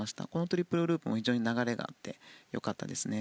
トリプルループも非常に流れがあって良かったですね。